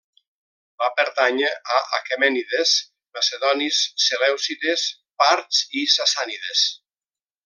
Va pertànyer a aquemènides, macedonis, selèucides, parts i sassànides.